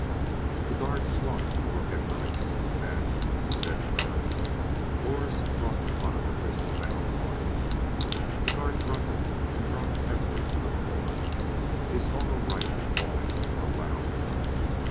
The guard swung to look at Brice and, as his head turned, Lors brought the butt of the pistol down hard. The guard grunted and dropped heavily to the floor, his auto rifle falling with a loud thud.